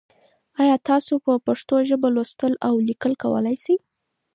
ایا تاسو په پښتو ژبه لوستل او لیکل کولای سئ؟